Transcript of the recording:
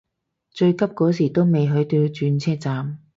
最急嗰時都未去到轉車站